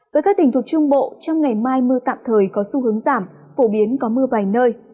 với các tỉnh thuộc trung bộ trong ngày mai mưa tạm thời có xu hướng giảm phổ biến có mưa vài nơi